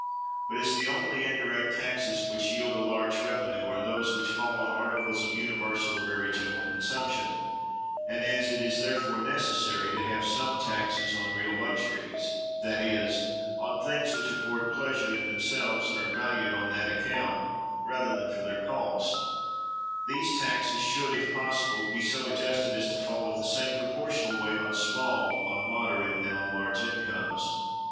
But as the only indirect taxes which yield a large revenue are those which fall on articles of universal or very general consumption, and as it is therefore necessary to have some taxes on real luxuries, that is, on things which afford pleasure in themselves, and are valued on that account rather than for their cost, these taxes should, if possible, be so adjusted as to fall with the same proportional weight on small, on moderate, and on large incomes.